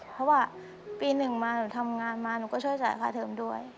เพราะว่าปีหนึ่งมาหนูทำงานมาหนูก็ช่วยจ่ายค่าเทิมด้วย